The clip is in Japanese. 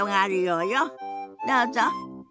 どうぞ。